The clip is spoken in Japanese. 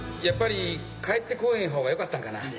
やっぱり帰って来ぉへん方がよかったんかな？